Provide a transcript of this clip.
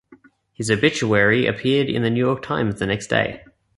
His obituary appeared in the New York Times the next day.